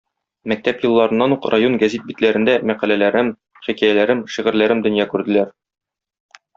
Мәктәп елларыннан ук район гәзит битләрендә мәкаләләрем, хикәяләрем, шигырьләрем дөнья күрделәр.